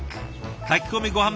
炊き込みごはん